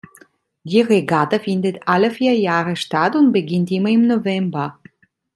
Die Regatta findet alle vier Jahre statt und beginnt immer im November.